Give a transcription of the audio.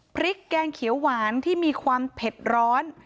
แกงเขียวหวานที่มีความเผ็ดร้อน